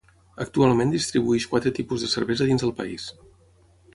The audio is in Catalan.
Actualment distribueix quatre tipus de cervesa dins del país.